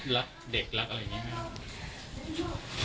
รักเด็กรักอะไรอย่างนี้ครับ